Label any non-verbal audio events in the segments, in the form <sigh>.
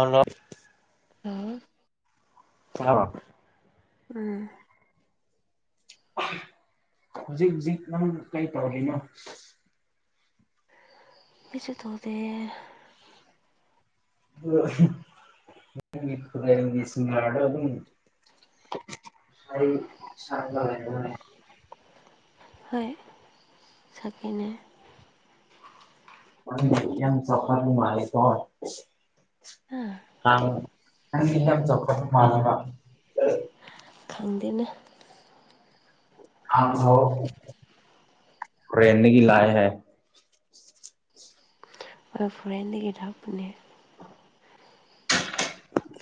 ꯑꯣꯂꯞ ꯎꯝ ꯑ ꯎꯝ ꯍꯧꯖꯤꯛ ꯍꯧꯖꯤꯛ ꯅꯪ ꯀꯩ ꯇꯧꯔꯤꯅꯣ ꯀꯔꯤꯁꯨ ꯇꯧꯗ ꯀꯁꯤ ꯑꯗꯨꯝ ꯁꯔꯤ ꯆꯥꯟ ꯂꯩ ꯍꯣꯏ ꯁꯊꯤꯅꯦ ꯌꯥ ꯁꯐꯔꯅꯨꯡ ꯃꯥꯅꯤ ꯀ ꯑ ꯀꯝ <unintelligible> ꯏ ꯆꯈ ꯃꯥꯅꯕ <unintelligible> ꯈꯪꯗꯅ ꯍꯣꯔꯦꯟꯗꯒꯤ ꯂꯛꯂꯦ ꯍꯨ ꯑꯩꯈꯣꯏ ꯐꯣꯔꯦꯟꯗꯒꯤ ꯊꯥꯛꯄꯅꯦ ꯑ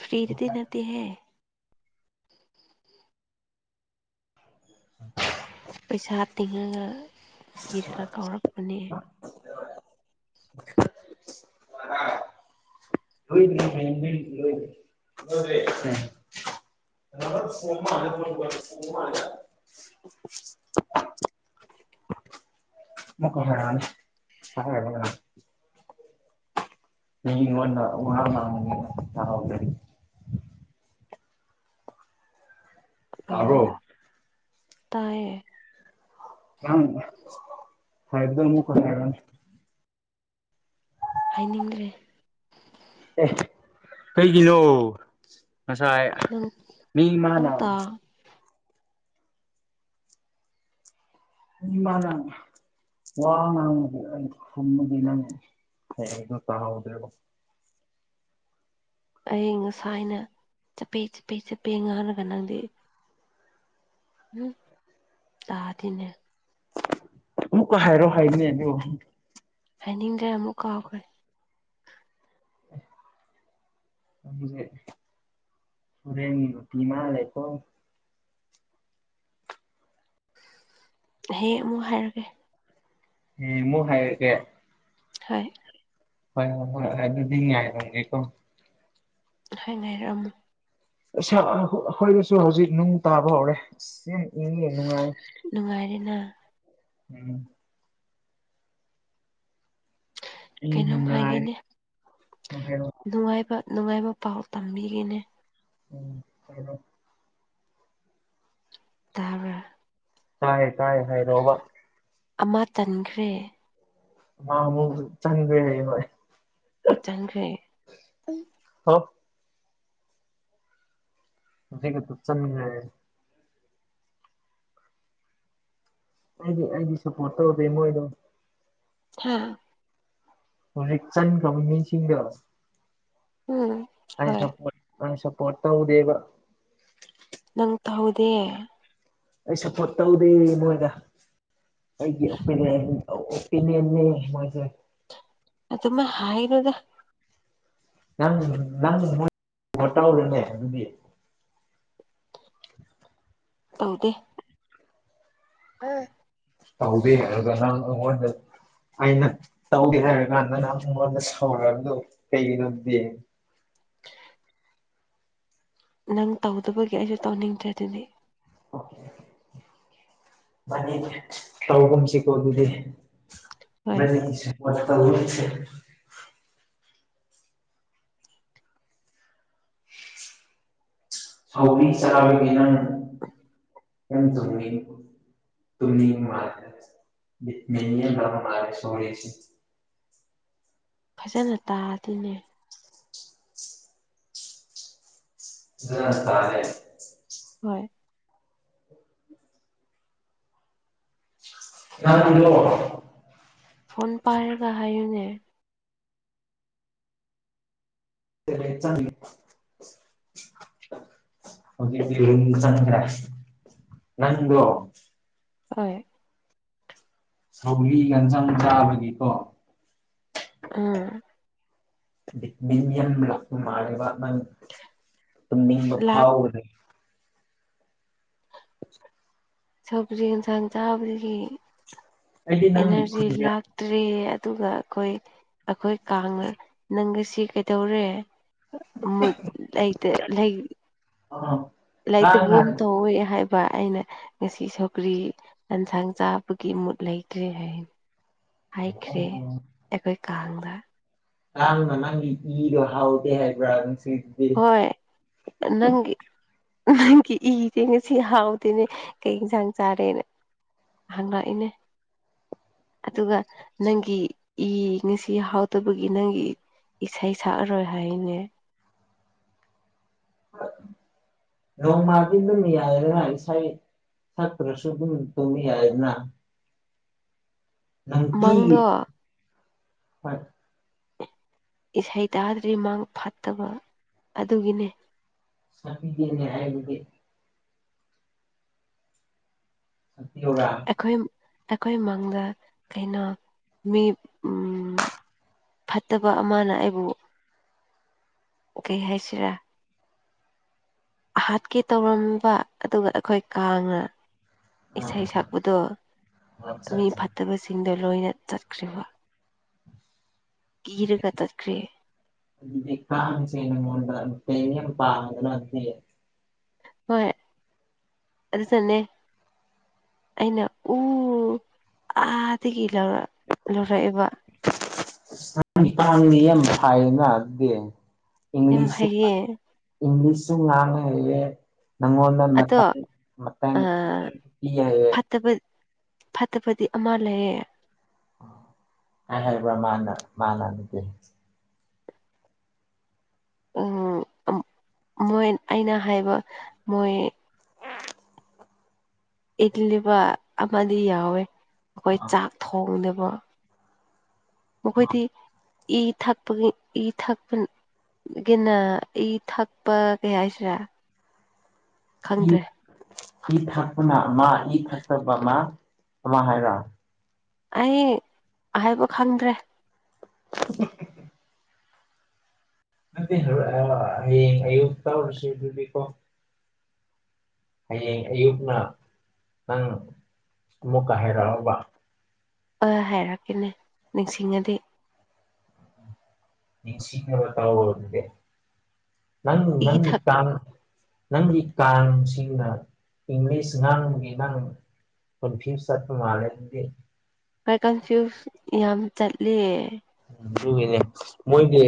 ꯐ꯭ꯔꯤꯗꯗꯤ ꯅꯠꯇꯍ <unintelligible> ꯄꯩꯁꯥ ꯇꯤꯡꯉꯒ ꯄꯤꯔꯒ ꯀꯥꯎꯔꯛꯄꯅꯦ ꯗ <unintelligible> ꯐꯣ ꯐꯣ <unintelligible> <unintelligible> <unintelligible> ꯑꯣ ꯇꯥꯕꯔꯣ ꯇꯥꯏꯌꯦ ꯅꯪ ꯍꯥꯏꯕꯗꯥ ꯑꯃꯨꯛ ꯀꯔꯤ ꯍꯥꯏꯔꯛꯑꯅꯤ ꯍꯥꯏꯅꯤꯡꯗ꯭ꯔꯦ ꯑꯦ ꯀꯩꯒꯤꯅꯣ ꯉꯁꯥꯏ ꯅꯪ ꯅꯪ ꯃꯤꯃꯥꯅ ꯇꯥ ꯎꯝ ꯃꯥꯅ ꯋꯥ ꯉꯥꯡꯉꯗꯤ ꯑꯩ ꯊꯝꯃꯗꯤ ꯅꯪ ꯍꯌꯦꯗꯣ ꯇꯥꯍꯧꯗ꯭ꯔꯦꯕ ꯑꯩ ꯉꯁꯥꯅ ꯆꯞꯄꯦ ꯆꯞꯄꯦ ꯆꯞꯄꯦ ꯉꯥꯡꯔꯒ ꯅꯪꯗꯤ ꯎꯝ ꯇꯥꯗꯦꯅꯦ ꯑꯃꯨꯛꯀ ꯍꯥꯏꯔꯣ ꯍꯥꯏꯅꯦ ꯑꯗꯨ ꯍꯥꯏꯅꯤꯡꯗ꯭ꯔꯦ ꯑꯃꯨꯛ ꯀꯥꯎꯈ꯭ꯔꯦ ꯑꯗꯨꯗꯤ ꯍꯣꯔꯦꯟꯒꯤ ꯅꯨꯄꯤꯃꯥ ꯂꯩꯀꯣ ꯍꯌꯦꯡ ꯑꯃꯨꯛ ꯍꯥꯏꯔꯒꯦ ꯍꯌꯦꯡ ꯃꯨꯛ ꯍꯥꯏꯔꯒꯦ ꯍꯥꯏ ꯍꯣꯏ ꯍꯣꯏ ꯍꯣꯏ ꯑꯗꯨꯗꯤ ꯉꯥꯏꯔꯝꯒꯦꯀꯣ ꯍꯥꯏ ꯉꯥꯏꯔꯝꯃꯨ ꯑꯩꯈꯣꯏꯗꯁꯨ ꯍꯧꯖꯤꯛ ꯅꯨꯡ ꯇꯥꯕ ꯍꯧꯔꯦ ꯑꯁ ꯌꯥꯝ ꯏꯪꯉꯦ ꯅꯨꯡꯉꯥꯏꯔꯦ ꯅꯨꯡꯉꯥꯏꯔꯦꯅ ꯎꯝ ꯏꯪ ꯀꯩꯅꯣꯝ ꯅꯨꯡꯉꯥꯏ ꯍꯥꯏꯒꯦꯅꯦ ꯍꯥꯏꯔꯣ ꯅꯨꯡꯉꯥꯏꯕ ꯅꯨꯡꯉꯥꯏꯕ ꯄꯥꯎ ꯇꯝꯕꯤꯒꯦꯅꯦ ꯎꯝ <unintelligible> ꯇꯥꯕ꯭ꯔꯥ ꯇꯥꯏꯌꯦ ꯇꯥꯏꯌꯦ ꯍꯥꯏꯔꯣꯕ ꯑꯃ ꯇꯟꯈ꯭ꯔꯦ ꯃꯥ ꯑꯃꯨꯛ ꯆꯪꯗꯣꯏꯅꯦꯕ ꯑꯩ ꯍꯣꯏ ꯆꯪꯈ꯭ꯔꯦ <unintelligible> ꯑꯩꯒ ꯄꯨꯂꯞ ꯆꯪꯃꯟꯅꯔꯦ ꯍꯥꯏꯗꯤ ꯑꯩꯗꯤ ꯁꯞꯄꯣꯔꯠ ꯇꯧꯗꯦ ꯃꯣꯏꯗꯣ ꯍꯥꯥ ꯍꯧꯖꯤꯛ ꯆꯪꯈꯔꯕ ꯃꯤꯁꯤꯡꯗꯣ ꯎꯝ ꯑꯩ ꯍꯣꯏ ꯁꯄꯣꯔꯠ ꯑꯩ ꯁꯄꯣꯔꯠ ꯇꯧꯗꯦꯕ ꯅꯪ ꯇꯍꯧꯗꯦ ꯑꯩ ꯁꯞꯄꯣꯔꯠ ꯇꯧꯗꯦ ꯃꯣꯏꯗ ꯑꯩ ꯑꯣꯄꯤꯅꯤꯌꯟ ꯑꯣꯄꯤꯅꯤꯌꯟꯅꯦ ꯃꯣꯏꯁꯦ ꯑꯗꯨꯃꯥꯏ ꯍꯥꯏꯅꯨꯗ ꯅꯪ ꯅꯪ ꯃꯣꯏ ꯁꯞꯄꯣꯔꯠ ꯇꯧꯔꯦꯅꯦ ꯑꯗꯨꯗꯤ ꯇꯧꯗꯦ ꯑꯥ ꯇꯧꯗꯦ ꯍꯥꯏꯔꯒ ꯅꯪ ꯑꯩꯉꯣꯟꯗ ꯑꯩꯅ ꯇꯧꯗꯦ ꯍꯥꯏꯔ ꯀꯥꯟꯗ ꯃꯨꯛ ꯑꯩꯉꯣꯟꯗ ꯁꯥꯎꯔꯛꯕꯗꯨ ꯀꯩꯒꯤꯅꯣꯗꯨꯗꯤ ꯅꯪ ꯇꯧꯗꯕꯒꯤ ꯑꯩꯁꯨ ꯇꯧꯅꯤꯡꯗ꯭ꯔꯦ ꯑꯗꯨꯗꯤ ꯑꯣꯀꯦ ꯃꯥꯅꯤꯅꯦ ꯇꯧꯒꯨꯝꯁꯤꯀꯣ ꯑꯗꯨꯗꯤ ꯍꯣꯏ <unintelligible> ꯍꯥꯎꯕꯤ ꯁꯔꯕꯤꯒꯅ ꯀ ꯆꯅꯤ ꯇꯅꯤ ꯃꯥ ꯃꯅꯤꯔꯦ ꯁꯨꯁ ꯐꯖꯅ ꯇꯥꯗꯤꯅꯦ ꯑꯗꯨ ꯇꯂꯦ ꯍꯣꯏ ꯅꯥꯟ ꯄꯨ ꯋꯥꯔꯣ ꯐꯣꯟ ꯄꯥꯏꯔꯒ ꯍꯥꯏꯌꯨꯅꯦ ꯦ ꯆꯥꯡ ꯆꯗ꯭ꯔꯦ ꯅꯪꯣ ꯍ ꯁꯧꯂꯤꯒꯥꯟ ꯁꯪ ꯆꯥꯕꯒꯤꯀꯣ ꯎꯝ ꯃꯤ ꯌꯟ ꯂꯥꯛꯄ ꯃꯥꯜꯂꯤꯕ ꯃꯥꯪ ꯇꯨꯝꯅꯤꯡꯕ ꯂꯥꯛ ꯐꯥꯎꯒꯅꯤ ꯁꯧꯔꯤ ꯏꯟꯁꯥꯡ ꯆꯥꯕꯗꯒꯤ ꯑꯩꯗꯤ ꯅꯪꯒꯤ ꯏꯅꯔꯖꯤ ꯈꯨꯟꯖꯦꯜ ꯂꯥꯛ ꯛꯇ꯭ꯔꯤ ꯑꯗꯨꯒ ꯑꯩꯈꯣꯏ ꯑꯩꯈꯣꯏ ꯀꯥꯡꯅ ꯅꯪꯒꯁꯤ ꯀꯩꯗꯧꯔꯦ ꯃꯨꯠ ꯂꯩꯇꯦ ꯂꯩ ꯑ ꯂꯩꯥꯏꯔꯤꯇꯕꯨ ꯑꯃ ꯇꯧꯑꯣꯏ ꯍꯥꯏꯕ ꯑꯩꯅ ꯉꯁꯤ ꯁꯧꯀ꯭ꯔꯤ ꯑꯦꯟꯁꯥꯡ ꯆꯥꯕꯒꯤ ꯃꯨꯠ ꯂꯩꯇ꯭ꯔꯦ ꯍꯥꯏꯅꯤ ꯍꯥꯏꯈ꯭ꯔꯦ ꯑꯩꯈꯣꯏ ꯀꯥꯡꯗ ꯀꯥꯡꯅ ꯅꯪꯒꯤ ꯏꯗꯣ ꯍꯥꯎꯗꯦ ꯍꯥꯏꯕꯔ ꯉꯁꯤ ꯍꯣꯏ ꯅꯪꯒꯤ ꯅꯪꯒꯤ ꯏꯔꯦ ꯉꯁꯤ ꯍꯥꯎꯗꯦꯅꯦ ꯀꯩ ꯏꯟꯁꯥꯡ ꯆꯥꯔꯦꯅꯦ ꯍꯪꯪꯂꯛꯏꯅꯦ ꯑꯗꯨꯒ ꯅꯪꯒꯤ ꯏ ꯉꯁꯤ ꯍꯥꯎꯗꯕꯒꯤ ꯅꯪꯒꯤ ꯏꯁꯩ ꯁꯛꯑꯔꯣꯏ ꯍꯥꯏꯅꯦ ꯑ ꯅꯣꯡꯃꯗꯤ ꯑꯗꯨꯝ ꯌꯥꯏꯗꯅ ꯏꯁꯩ ꯁꯛꯇ꯭ꯔꯁꯨ ꯑꯗꯨꯝ ꯇꯧꯕ ꯌꯥꯏꯗꯅ ꯅꯟꯇꯤ ꯃꯪꯗꯣ ꯍꯣꯏ ꯏꯁꯩ ꯇꯥꯗ꯭ꯔꯗꯤ ꯃꯥꯥꯡ ꯐꯠꯇꯕ ꯑꯗꯨꯒꯤꯅꯤ ꯁꯄꯤꯗꯤ ꯍꯥꯏꯔꯕꯤꯗꯦ <unintelligible> ꯔꯥ ꯑꯩꯈꯣꯏ ꯑꯩꯈꯣꯏ ꯏꯃꯪꯗ ꯀꯩꯅꯣ ꯃꯤ ꯐꯠꯇꯕ ꯑꯃꯅ ꯑꯩꯕꯨ ꯀꯩ ꯍꯥꯏꯁꯤꯔꯥ ꯍꯥꯠꯀꯦ ꯇꯧꯔꯝꯕ ꯑꯗꯨꯒ ꯑꯩꯈꯣꯏ ꯀꯥꯡꯅ ꯏꯁꯩ ꯑꯥ ꯁꯛꯄꯗꯣ ꯑꯠꯆꯥ ꯃꯤ ꯑꯠꯆꯥ ꯐꯠꯇꯕꯁꯤꯡꯗꯣ ꯂꯣꯏꯅ ꯆꯠꯈ꯭ꯦꯔꯤꯕ ꯀ ꯒꯤꯔꯒ ꯇꯈ꯭ꯦ ꯀꯥꯡꯁꯦ ꯅꯪꯑꯣꯟꯗ ꯀꯔꯤꯝ ꯄꯥꯝꯕ ꯅꯠꯇꯦ ꯍꯣꯏ ꯑꯗꯨꯗ ꯆꯟꯅꯦ ꯑꯩꯅ ꯎ ꯑꯥꯗꯒꯤ ꯂꯧꯔ ꯂꯧꯔꯛꯑꯦꯕ ꯁꯥꯡꯅꯤ ꯍꯥꯏꯥꯏꯅꯗꯤ <inaudible> ꯏꯪ ꯌꯥꯝ ꯏꯪꯂꯤꯁ ꯍꯩꯌꯦ ꯏꯪꯂꯤꯁꯁꯨ ꯉꯥꯡꯕ ꯍꯩꯔꯦ ꯅꯪꯑꯣꯟ ꯑꯗꯣ ꯃ ꯃꯥꯡ ꯐꯠꯇꯕ ꯐꯠꯇꯕꯗꯤ ꯑꯃ ꯂꯩꯌꯦ ꯑꯅꯦꯜ ꯄꯨ ꯃꯥꯅ ꯃꯥꯅꯅꯤꯠꯇ ꯃꯣꯏ ꯑꯩꯅ ꯍꯥꯏꯕ ꯃꯣꯏ ꯏꯜꯂꯤꯕ ꯑꯃꯗꯤ ꯌꯥꯎꯋꯦ ꯑꯩꯈꯣꯏ ꯆꯥꯛ ꯊꯣꯡꯅꯦꯕ ꯃꯈꯣꯏꯗꯤ ꯏ ꯊꯛꯄꯒꯤ ꯏ ꯊꯛꯄ ꯒꯤꯅ ꯏ ꯊꯛꯄ ꯀꯩ ꯍꯥꯏꯁꯤꯔꯥ <unintelligible> ꯏ ꯈꯪꯗ꯭ꯔꯦ ꯏ ꯊꯛꯄꯅ ꯑꯃ ꯏ ꯊꯛꯇꯕ ꯑꯃ ꯑꯃ ꯍꯥꯏꯔꯣ ꯑꯩ ꯍꯥꯏꯕ ꯈꯪꯗ꯭ꯔꯦ <inaudible> ꯃ ꯑꯛꯇꯔꯁꯕꯣ ꯍꯌꯦꯡ ꯑꯌꯨꯛꯅ ꯅꯪ ꯑꯃꯨꯛꯀ ꯍꯥꯏꯔꯛꯕ ꯑ ꯍꯥꯏꯔꯛꯀꯦꯅꯦ ꯅꯤꯡꯁꯤꯡꯉꯗꯤ ꯅꯤꯡꯁꯤꯔ ꯇꯥꯎꯕ ꯑꯣꯏꯗꯦ ꯅꯪ ꯏ ꯅꯪꯒꯤ ꯊꯛꯄ ꯀꯥ ꯅꯪꯒꯤ ꯀꯥꯡꯁꯤꯅ ꯏꯪꯂꯤꯁ ꯉꯥꯡꯅꯕꯒꯤ ꯏꯥꯡ ꯐꯤ ꯁꯠꯄ ꯃꯥꯂꯗꯤ ꯈꯔ ꯀꯟꯐ꯭ꯌꯨꯁ ꯌꯥꯝ ꯆꯠꯂꯦ ꯑꯗꯨꯒꯤꯅꯦ ꯃꯣꯏꯒꯤ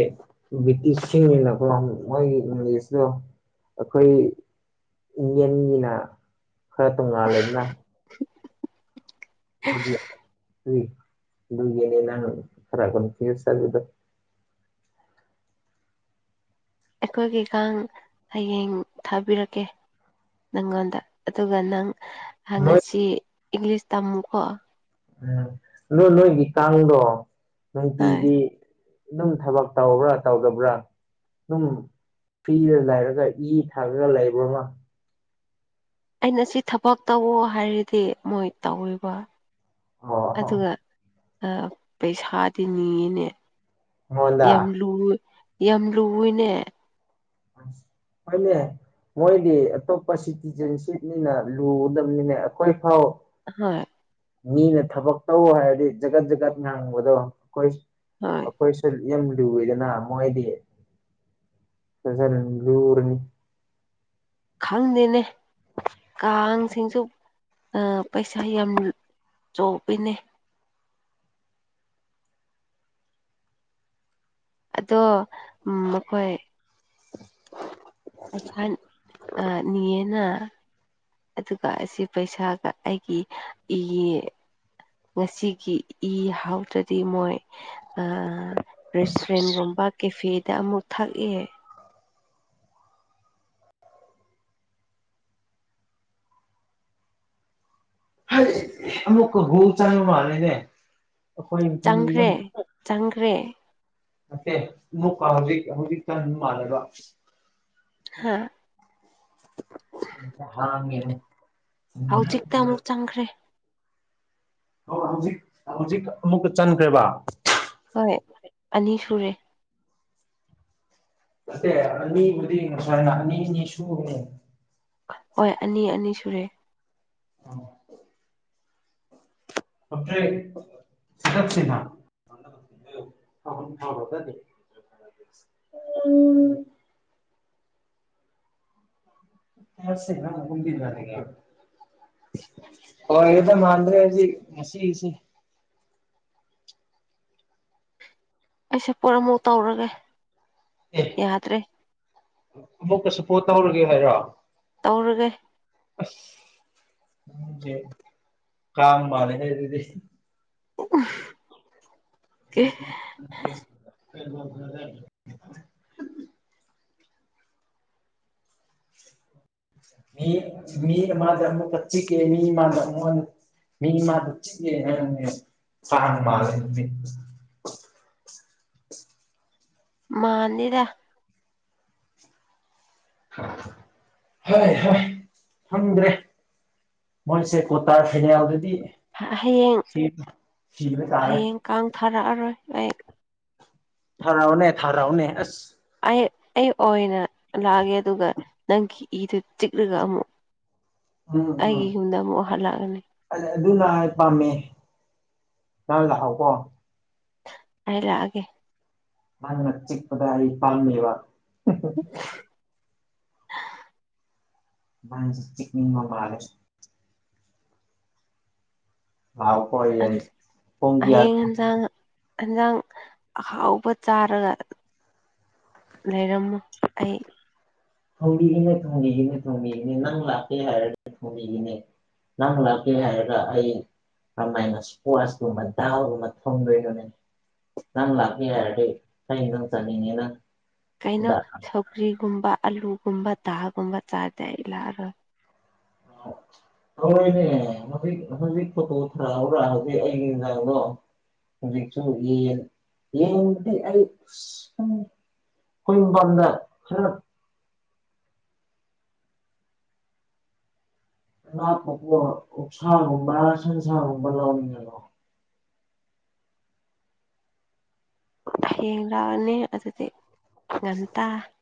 ꯕ꯭ꯔꯤꯇꯤꯁꯁꯤꯡꯅꯀꯣ ꯃꯣꯏꯒꯤ ꯏꯪꯦꯖꯇꯣ ꯑꯩꯈꯣꯏ ꯗꯤ ꯑꯦꯝ ꯒꯤꯅ ꯈꯔ ꯇꯉꯥꯂꯦꯗꯅ <unintelligible> ꯑꯩꯈꯣꯏꯒꯤ ꯀꯪ ꯍꯌꯦꯡ ꯊꯥꯕꯤꯔꯛꯀꯦ ꯅꯪꯉꯣꯟꯗ ꯑꯗꯨꯒ ꯅꯪ ꯍ ꯅꯣꯏ ꯉꯁꯤ ꯏꯪꯂꯤꯁ ꯇꯝꯃꯨꯀꯣ ꯎꯝ ꯑꯗꯣ ꯅꯣꯏꯒꯤ ꯀꯥꯡꯗꯣ ꯍꯣꯏ ꯅꯨꯡꯇꯤꯒꯤ ꯑꯗꯨꯝ ꯊꯕꯛ ꯇꯧꯕ꯭ꯔꯥ ꯇꯧꯗꯕ꯭ꯔꯥ ꯑꯗꯨꯝ ꯐ꯭ꯔꯤꯗ ꯂꯩꯔꯒ ꯏ ꯊꯥꯔꯒ ꯂꯩꯕ꯭ꯔꯣ <unintelligible> ꯑꯩꯅ ꯁꯤ ꯊꯕꯛ ꯇꯧꯋꯣ ꯍꯥꯏꯔꯗꯤ ꯃꯣꯏ ꯇꯧꯑꯦꯕ ꯑꯣ ꯑꯗꯨꯒ ꯑꯥ ꯄꯩꯁꯥꯗꯤ ꯅꯤꯅꯦ ꯌꯥꯝ ꯃꯉꯣꯟꯗ ꯂꯨ ꯌꯥꯝ ꯂꯨꯋꯤꯅꯦ ꯍꯣꯢꯅꯦ ꯃꯣꯏꯗꯤ ꯑꯇꯣꯞꯄ ꯁꯤꯇꯤꯖꯦꯟꯁꯤꯞꯅꯤꯅ ꯂꯨꯒꯗꯝꯅꯤꯅꯦ ꯑꯈꯣꯏ ꯐꯥꯎ ꯍꯣꯏ ꯃꯤꯅ ꯊꯕꯛ ꯇꯧ ꯍꯥꯏꯔꯗꯤ ꯖꯒꯠ ꯖꯒꯠ ꯉꯥꯡꯕꯗꯣ ꯑꯈꯣꯏ ꯍꯣꯢ ꯈꯣꯏꯁꯨ ꯌꯥꯝ ꯂꯨꯋꯦꯗꯅ ꯃꯣꯏꯗꯒꯤ <unintelligible> ꯂꯨꯔꯅꯤ ꯈꯪꯗꯦꯅꯦ ꯀꯥꯡꯁꯤꯡꯁꯨ ꯄꯩꯁꯥ ꯌꯥꯝ ꯆꯣꯄꯤꯅꯦ ꯑꯗꯣ ꯃꯈꯣꯏ ꯄꯩꯁꯥ ꯑꯥ ꯅꯤꯌꯦꯅ ꯑꯗꯨꯒ ꯑꯁꯤ ꯄꯩꯁꯥꯒ ꯑꯩꯒꯤ ꯑꯩꯒꯤ ꯉꯁꯤꯒꯤ ꯏ ꯍꯥꯎꯇ꯭ꯔꯗꯤ ꯃꯣꯏ ꯑꯥ ꯔꯦꯁꯇꯨꯔꯦꯟꯒꯨꯝꯕ ꯀꯦꯐꯦꯗ ꯑꯃꯨꯛ ꯊꯛꯑꯦ ꯑꯃꯨꯛꯒꯨꯜ ꯆꯪ ꯃꯥꯂꯤꯅꯦ ꯆꯪꯈ꯭ꯔꯦ ꯆꯪꯈ꯭ꯔꯦ ꯑꯣꯀꯦ ꯑꯃꯨꯛꯀ ꯍꯧꯖꯤꯛ ꯍꯧꯖꯤꯛꯇ ꯆꯪ ꯃꯥꯜꯂꯦꯕ ꯍꯥꯥ ꯍꯥꯡꯒꯦ <unintelligible> ꯍꯧꯖꯤꯛꯇ ꯑꯃꯨꯛ ꯆꯪꯈ꯭ꯔꯦ ꯑꯣ ꯍꯧꯖꯤꯛ ꯍꯧꯖꯤꯛ ꯑꯃꯨꯛꯀ ꯆꯟꯈ꯭ꯔꯦꯕ ꯍꯣꯏ ꯑꯅꯤ ꯁꯨꯔꯦ ꯅꯇꯦ ꯑꯅꯤꯕꯨꯗꯤ ꯉꯁꯥꯢꯅ ꯑꯅꯤꯅꯤ ꯁꯨꯕꯅꯤ ꯍꯣꯏ ꯑꯅꯤ ꯑꯅꯤ ꯁꯨꯔꯦ ꯑꯣ <unintelligible> <unintelligible> <inaudible> ꯑꯣꯏꯒꯗꯧꯕ ꯃꯥꯟꯗ꯭ꯔꯦ ꯉꯁꯤ ꯁꯤ ꯑꯩꯁꯦ ꯄꯣꯠꯃꯨꯛ ꯇꯧꯔꯒꯦ ꯌꯥꯗ꯭ꯔꯦ ꯑꯃꯨꯛꯀꯁꯨ ꯄꯣꯠ ꯇꯧꯔꯒꯦ ꯍꯥꯏꯔꯣ ꯇꯧꯔꯒꯦ ꯑꯁ ꯅꯡꯖꯦ ꯀꯥꯡ ꯃꯥꯜꯂꯦꯍꯦ ꯑꯗꯨꯗꯤ <inaudible> <inaudible> <inaudible> <inaudible> <unintelligible> ꯃꯥꯅꯤꯗ ꯍꯣꯏ ꯍꯣꯏ ꯈꯪꯗ꯭ꯔꯦ ꯃꯣꯏꯁꯦ ꯀꯣꯇꯥꯔ ꯐꯤꯅꯦꯜꯗꯗꯤ ꯍꯌꯦꯡ ꯁꯤꯕ ꯁꯤꯕ ꯇꯥꯔꯦ ꯍꯌꯦꯡ ꯀꯥꯡ ꯊꯥꯔꯛꯑꯔꯣꯏ ꯑꯩ ꯊꯥꯔꯛꯑꯣꯅꯦ ꯊꯥꯔꯛꯑꯣꯅꯦ ꯑꯁ ꯑꯩ ꯑꯩ ꯑꯣꯏꯅ ꯂꯥꯛꯑꯒꯦ ꯑꯗꯨꯒ ꯅꯪꯒꯤ ꯏꯗꯣ ꯆꯤꯛꯂꯒ ꯑꯃꯨꯛ ꯑꯩꯒꯤ ꯌꯨꯝꯗ ꯑꯃꯨꯛ ꯍꯜꯂꯛꯑꯒꯅꯤ <unintelligible> ꯑ ꯑꯗꯨꯅ ꯄꯥꯝꯃꯦ ꯅꯍꯥꯟ ꯂꯥꯛꯍꯥꯎꯀꯣ ꯑꯩ ꯂꯥꯛꯑꯒꯦ ꯅꯪꯅ ꯆꯤꯛꯄꯗ ꯑꯩ ꯄꯪꯅꯤꯕ <unintelligible> ꯅꯪꯁꯤ ꯆꯤꯛꯅꯤꯡꯕ ꯃꯥꯜꯂꯦ ꯂꯥꯎ ꯈꯣꯏ ꯑꯟꯁ ꯍꯌꯦꯡ ꯌꯦꯟꯁꯥꯡ ꯍꯟꯖꯥꯡ ꯑꯍꯥꯎꯕ ꯆꯥꯔꯒ ꯂꯩꯔꯝꯃꯨ ꯑꯩ ꯊꯣꯡꯕꯤꯒꯦꯅꯦ ꯊꯣꯡꯕꯤꯒꯦꯅꯦ ꯊꯣꯡꯕꯤꯒꯅꯤ ꯅꯪ ꯂꯥꯛꯀꯦ ꯍꯥꯏꯔꯗꯤ ꯊꯣꯡꯕꯤꯒꯤꯅꯦ ꯅꯪ ꯂꯥꯛꯀꯦ ꯍꯥꯏꯔꯒ ꯑꯩ <unintelligible> ꯅꯪ ꯂꯥꯛꯀꯦ ꯍꯥꯏꯔꯗꯤ ꯑꯩ ꯑꯗꯨꯝ ꯆꯥꯅꯤꯡꯉꯦꯅ ꯀꯩꯅꯣ ꯁꯧꯒ꯭ꯔꯤꯒꯨꯝꯕ ꯑꯥꯂꯨꯒꯨꯝꯕ ꯗꯥꯜꯒꯨꯝꯕ ꯆꯥꯔꯗꯤ ꯑꯩ ꯂꯥꯛꯑꯔꯣꯏ <unintelligible> ꯇꯧꯔꯣꯏꯅꯦ ꯍꯧꯖꯤꯛ ꯍꯧꯖꯤꯛ ꯐꯣꯇꯣ ꯊꯥꯔꯛ ꯎꯔꯥ ꯍꯧꯖꯤꯛ ꯑꯩꯒꯤ ꯌꯦꯟꯖꯥꯡꯗꯣ ꯍꯧꯖꯤꯛꯁꯨ ꯌꯦꯟ ꯌꯦꯟꯗꯤ ꯑꯩ ꯑꯁ <unintelligible> <unintelligible> ꯑꯣꯛꯁꯥꯒꯨꯝꯕ ꯁꯟꯁꯥꯒꯨꯝꯕ ꯂꯧꯅꯤꯡꯉꯦ ꯍꯌꯦꯡ ꯂꯥꯛꯑꯅꯤ ꯑꯗꯨꯗꯤ ꯉꯟꯇꯥ